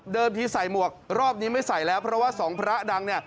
ทีใส่หมวกรอบนี้ไม่ใส่แล้วเพราะว่าสองพระดังเนี่ย